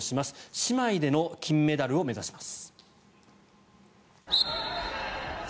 姉妹での金メダルを目指します。